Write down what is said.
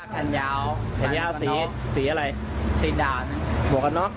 ครับ